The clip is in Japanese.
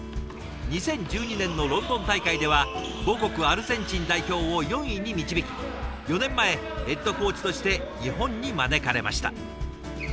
２０１２年のロンドン大会では母国アルゼンチン代表を４位に導き４年前ヘッドコーチとして日本に招かれました。